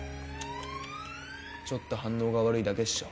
ちょっと反応が悪いだけっしょ。